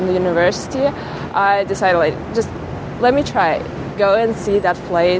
dan setelah beberapa panggilan